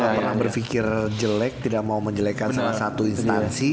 gue gak pernah berfikir jelek tidak mau menjelekan salah satu instansi